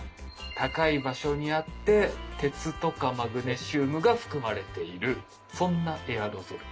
高い場所にあって鉄とかマグネシウムが含まれているそんなエアロゾル。